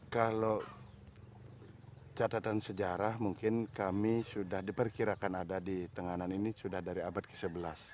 kalau catatan sejarah mungkin kami sudah diperkirakan ada di tenganan ini sudah dari abad ke sebelas